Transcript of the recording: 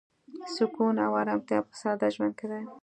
سکون او ارامتیا په ساده ژوند کې ده.